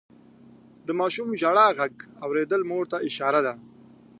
د ماشوم د ژړا غږ اورېدل مور ته اشاره ده.